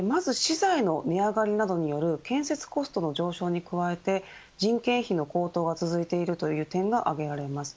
まず資材の値上がりなどによる建設コストの上昇に加えて人件費の高騰が続いているという点が挙げられます。